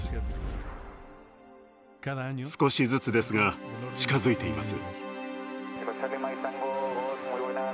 少しずつですが近づいています。